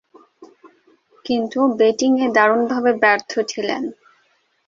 কিন্তু ব্যাটিংয়ে দারুণভাবে ব্যর্থ ছিলেন।